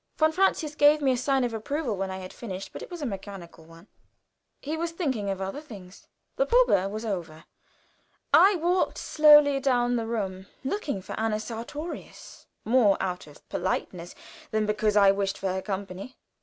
Von Francius gave me a sign of approval when I had finished, but it was a mechanical one. He was thinking of other things. The probe was over. I walked slowly down the room looking for Anna Sartorius, more out of politeness than because I wished for her company.